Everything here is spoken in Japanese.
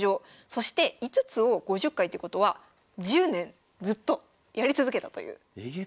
そして５つを５０回ってことは１０年ずっとやり続けたという。